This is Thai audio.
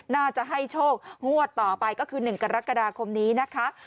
น่าจะให้โชคงวดต่อไปก็คือ๑กรกฎาคมนี้นะคะ